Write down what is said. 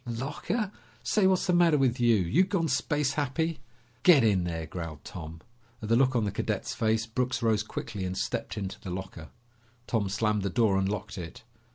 "Locker? Say, what's the matter with you? You gone space happy?" "Get in there," growled Tom. At the look on the cadet's face, Brooks rose quickly and stepped into the locker. Tom slammed the door and locked it.